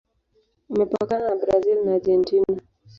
Imepakana na Brazil na Argentina.